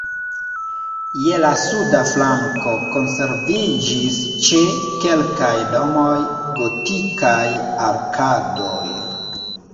Je la suda flanko konserviĝis ĉe kelkaj domoj gotikaj arkadoj.